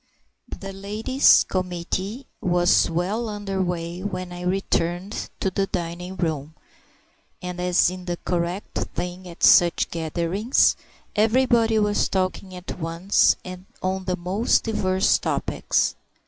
The Ladies' Committee was well under way when I returned to the dining room, and as is the correct thing at such gatherings, everybody was talking at once and on the most diverse topics.